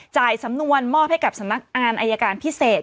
จ่ายสำนวนมอบให้กับสมัครอายการพิเศษ